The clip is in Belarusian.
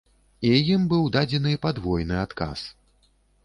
І ім быў дадзены падвойны адказ.